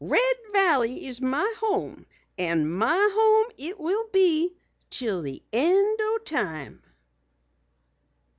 "Red Valley is my home, and my home it will be till the end o' time!"